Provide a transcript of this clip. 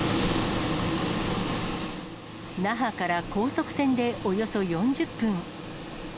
那覇から高速船でおよそ４０分。